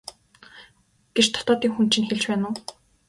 гэж дотоод хүн чинь хэлж байна уу?